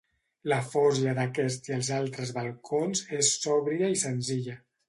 La forja d'aquest i els altres balcons és sòbria i senzilla.